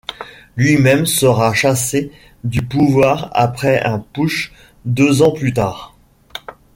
Lui-même sera chassé du pouvoir après un putsch deux ans plus tard.